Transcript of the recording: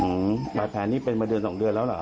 บาดแผลนี่เป็นมาเดือนสองเดือนแล้วเหรอ